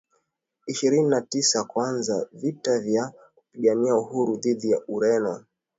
ishirini na Tisa kwanza vita vya kupigania uhuru dhidi ya Ureno